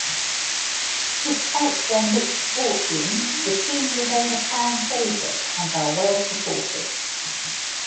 Despite their mixed fortunes the team remain a fan favorite and are well supported.